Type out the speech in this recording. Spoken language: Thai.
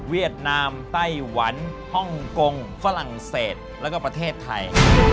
ดนามไต้หวันฮ่องกงฝรั่งเศสแล้วก็ประเทศไทย